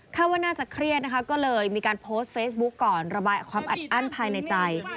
ว่าน่าจะเครียดนะคะก็เลยมีการโพสต์เฟซบุ๊กก่อนระบายความอัดอั้นภายในใจ